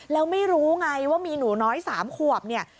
แล้วไม่รู้ไงว่ามีหนูน้อย๓ขวบเนี่ย